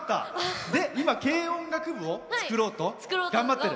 今、軽音楽部を作ろうと頑張ってる。